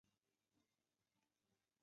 他默默摇头